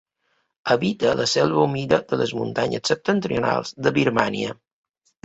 Habita la selva humida de les muntanyes septentrionals de Birmània.